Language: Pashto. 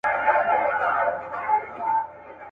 دا سرکښه دا مغروره !.